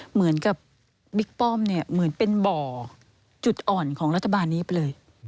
เหมือนกับบเป็นบ่อจุดอ่อนของรัฐบาลนี้ไปเลย